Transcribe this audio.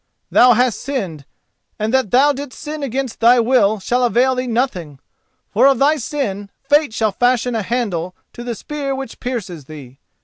Thou hast sinned, and that thou didst sin against thy will shall avail thee nothing, for of thy sin fate shall fashion a handle to the spear which pierces thee.